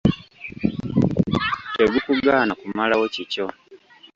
Tegukugaana kumalawo kikyo.